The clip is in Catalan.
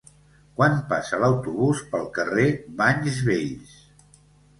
Quan passa l'autobús pel carrer Banys Vells?